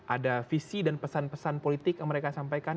ada visi dan pesan pesan politik yang mereka sampaikan